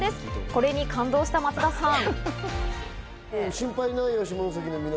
これに感動した松田さん。